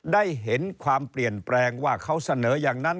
ได้เห็นความเปลี่ยนแปลงว่าเขาเสนออย่างนั้น